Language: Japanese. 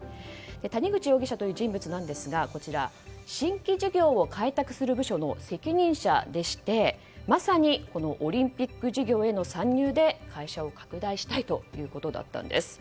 谷口容疑者という人物ですが新規事業を開拓する部署の責任者でしてまさにオリンピック事業への参入で会社を拡大したいということだったんです。